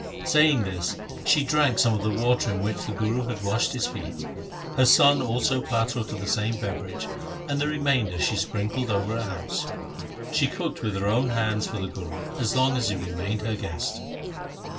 Saying this she drank some of the water in which the Guru had washed his feet. Her son also partook of the same beverage, and the remainder she sprinkled over her house. She cooked with her own hands for the Guru as long as he remained her guest.